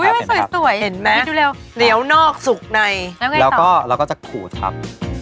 อุ้ยสวยสวยเห็นไหมดูเร็วเหนียวนอกสุกในแล้วก็แล้วก็จะขูดครับ